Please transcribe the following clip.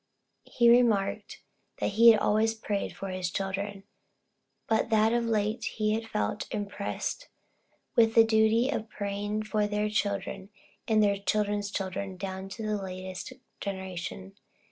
He remarked, that he had always prayed for his children, but that of late he had felt impressed with the duty of praying for their children and their children's children down to the latest generation.